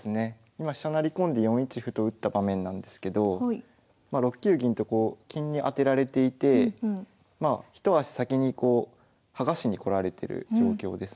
今飛車成り込んで４一歩と打った場面なんですけどまあ６九銀とこう金に当てられていて一足先に剥がしにこられてる状況ですね。